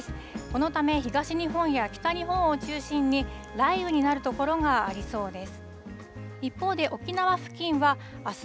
このため、東日本や北日本を中心に、雷雨になる所がありそうです。